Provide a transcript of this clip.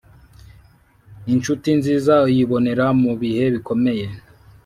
inshuti nziza uyibonera mu bihe bikomeye